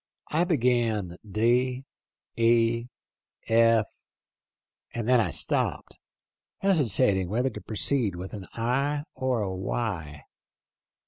I began d e f — and then I stopped, hesitating whether to proceed with an ' i ' or a ' y.'